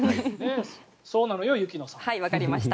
そうなのよ、雪乃さん。